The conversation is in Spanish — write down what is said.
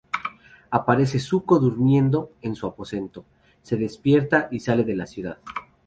Aparece Zuko durmiendo en su aposento, se despierta y sale de la ciudad.